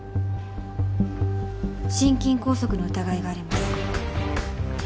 心筋梗塞の疑いがあります。